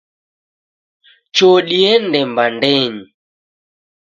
Choo diende mbandenyi.